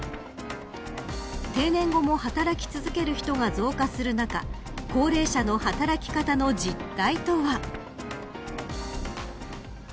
定年後も働き続ける人が増加する中高齢者の働き方の実態とは。